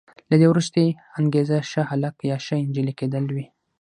له دې وروسته یې انګېزه ښه هلک یا ښه انجلۍ کېدل وي.